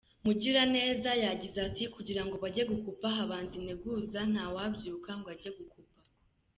Mugiraneza yagize ati: “Kugirango bajye gukupa habanza integuza, ntawabyuka ngo ajye gukupa.